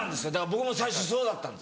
僕も最初そうだったんですよ。